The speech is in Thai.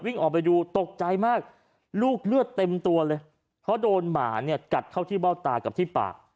วิ่งออกไปดูตกใจมากลูกเลือดเต็มตัวเลยเพราะโดนหมาเนี่ยกัดเข้าที่เบ้าตากับที่ปาก